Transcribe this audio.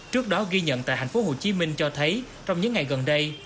trước đó ghi nhận tại tp hcm cho thấy trong những ngày gần đây